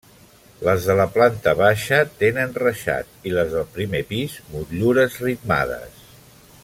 Les de la planta baixa tenen reixat, i les del primer pis, motllures ritmades.